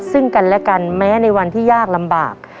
ซึ่งกันและกันแม้ในวันที่ยากลำบาก